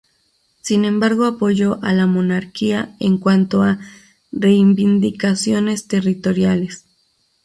Sin embargo apoyó a la monarquía en cuanto a reivindicaciones territoriales.